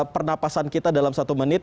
pernapasan kita dalam satu menit